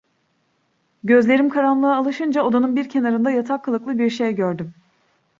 Gözlerim karanlığa alışınca odanın bir kenarında yatak kılıklı bir şey gördüm.